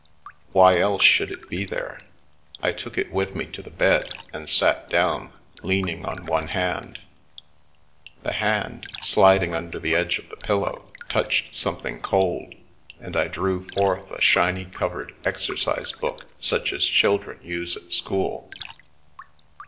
Why else should it be there? I took it with me to the bed, and sat down, lean ing on one hand. The hand, sliding under the edge of the pillow, touched something cold, and I drew forth a shiny covered exercise book such as children use at school.